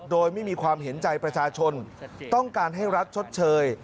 โดยไม่มีความเห็นใจประชาชนต้องการให้รัฐชดเชย